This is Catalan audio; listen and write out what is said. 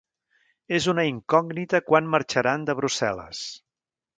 És una incògnita quan marxaran de Brussel·les.